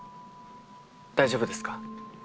大丈夫ですか？